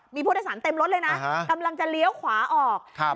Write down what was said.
มีผู้โดยสารเต็มรถเลยนะกำลังจะเลี้ยวขวาออกครับ